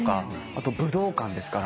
あと武道館ですから。